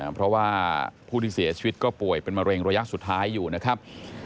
เพราะว่าผู้ที่เสียชีวิตก็ป่วยเป็นมะเร็งระยะสุดท้ายอยู่นะครับ